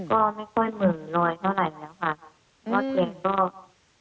เพราะฉันก็อยู่หน้าเป็นคนสุข